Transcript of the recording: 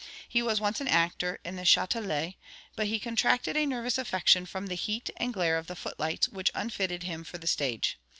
He was once an actor in the Châtelet; but he contracted a nervous affection from the heat and glare of the footlights, which unfitted him for the stage.